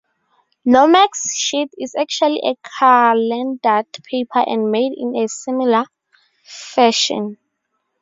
Nomex sheet is actually a calendered paper and made in a similar fashion.